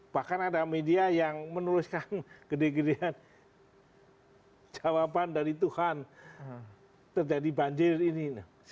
bahkan ada media yang menuliskan gede gedean jawaban dari tuhan terjadi banjir ini